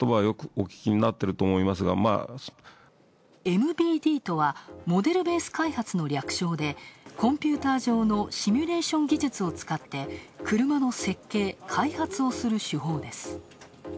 ＭＢＤとはモデルベース開発の略称でコンピューター上のシミュレーション技術を使って車の設計、開発をする手法です。